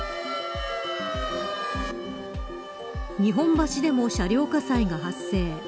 日本橋でも車両火災が発生。